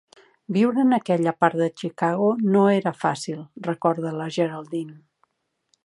Viure en aquella part de Chicago no era fàcil, recorda la Geraldine.